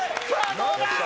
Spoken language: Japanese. どうだ？